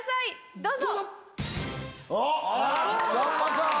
どうぞ！